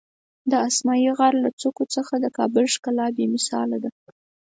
د اسمایي غر له څوکو څخه د کابل ښکلا بېمثاله ده.